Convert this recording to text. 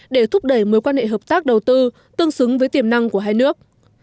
để thúc đẩy mối quan hệ hợp tác đầu tư tương xứng với tiềm năng của hai nước